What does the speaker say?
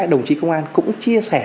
và các đồng chí công an cũng chia sẻ